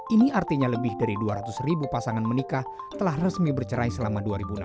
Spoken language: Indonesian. ini artinya lebih dari dua ratus ribu pasangan menikah telah resmi bercerai selama dua ribu enam belas